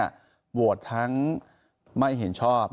โหวตทั้งไม่เห็นชอบ